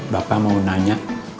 bapak mau nanya